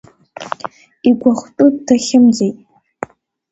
Игәахәтәы дахьымӡеит.